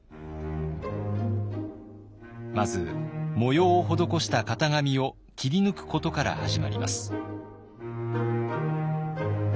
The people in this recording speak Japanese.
まず模様を施した型紙を切り抜くことから始まります。